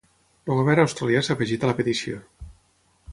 El govern australià s’ha afegit a la petició.